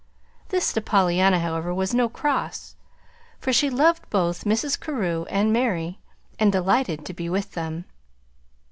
This, to Pollyanna, however, was no cross, for she loved both Mrs. Carew and Mary, and delighted to be with them.